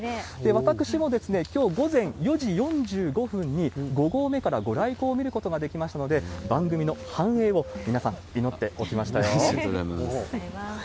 私もきょう午前４時４５分に、５合目からご来光を見ることができましたので、番組の繁栄を皆さん、祈っておきましたよ。